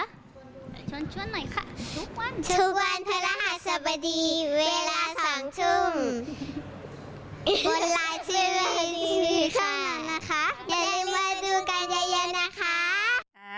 เชิญชวนหน่อยค่ะ